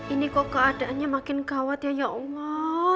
ini kok keadaannya makin gawat ya ya allah